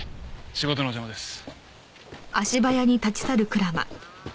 仕事の邪魔です。